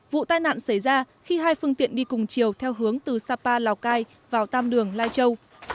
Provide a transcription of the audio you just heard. vụ tai nạn xảy ra khi hai phương tiện đi cùng chiều theo hướng từ sapa lào cai vào tam đường lai châu